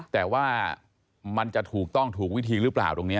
แต่ว่ามันจะถูกต้องถูกวิธีหรือเปล่าตรงนี้